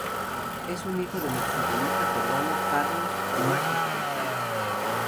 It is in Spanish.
Es hijo del ex futbolista peruano Carlos "Mágico" Gonzales.